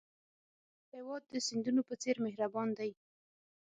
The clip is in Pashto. هېواد د سیندونو په څېر مهربان دی.